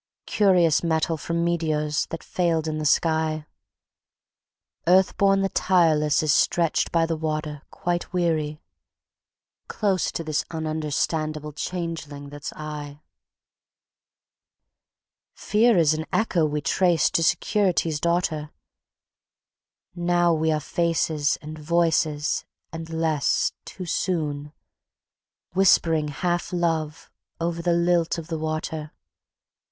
Curious metal from meteors that failed in the sky; Earth born the tireless is stretched by the water, quite weary, Close to this ununderstandable changeling that's I... Fear is an echo we traced to Security's daughter; Now we are faces and voices... and less, too soon, Whispering half love over the lilt of the water...